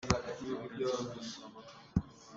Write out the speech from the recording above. Indianapolis ah ka um.